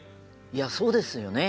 いやそうですよね。